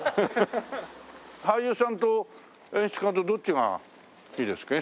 俳優さんと演出家とどっちがいいですか？